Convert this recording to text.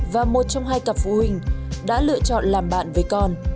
và một trong hai cặp phụ huynh đã lựa chọn làm bạn với con